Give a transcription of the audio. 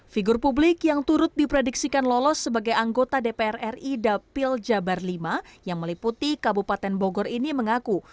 figur publik yang turut diprediksikan lolos sebagai anggota dpr ri dapil jabar v yang meliputi kabupaten bogor ini mengaku